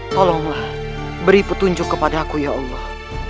tolonglah beri petunjuk kepadaku ya allah